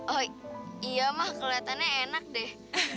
oh iya mas keliatannya enak deh